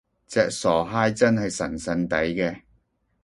隻傻閪真係神神地嘅！